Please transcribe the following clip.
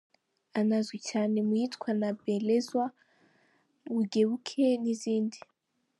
Anazwi cyane mu yitwa “Nabembelezwa”, “Gubegube” n’izindi.